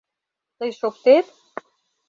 Тый шоктет?